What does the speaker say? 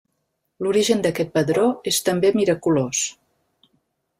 L'origen d'aquest padró és també miraculós.